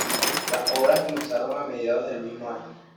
Las obras comenzaron a mediados del mismo año.